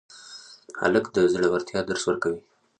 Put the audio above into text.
هلک د زړورتیا درس ورکوي.